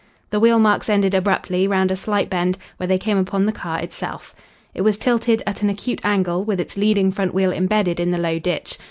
The wheelmarks ended abruptly round a slight bend, where they came upon the car itself. It was tilted at an acute angle, with its leading front wheel embedded in the low ditch.